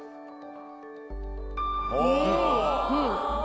お！